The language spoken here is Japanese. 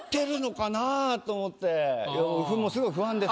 すごい不安です。